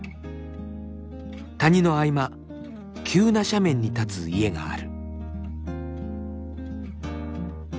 谷の合間急な斜面に立つ家がある。